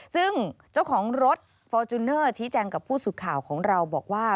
ซึ่งเจ้าของรถฟอร์จูเนอร์ชี้แจงกับผู้สื่อข่าวของเราบอกว่า